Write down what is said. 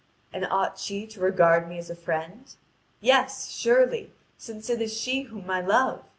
And ought she to regard me as a friend? Yes, surely, since it is she whom I love.